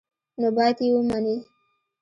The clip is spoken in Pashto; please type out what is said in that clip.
نو باید ویې مني.